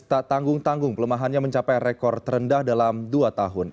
tak tanggung tanggung pelemahannya mencapai rekor terendah dalam dua tahun